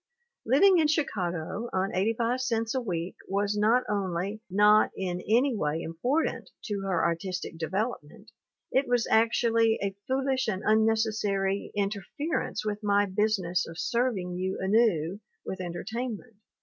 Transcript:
Liv ing in Chicago on 85 cents a week was not only not in any way important to her artistic development, it was actually "a foolish and unnecessary interference with my business of serving you anew with entertain ment."